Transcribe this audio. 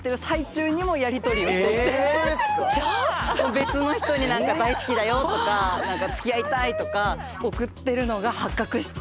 別の人に「大好きだよ」とか「つきあいたい」とか送ってるのが発覚して。